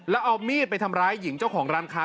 แล้วเอามีดไปทำร้ายหญิงเจ้าของร้านค้า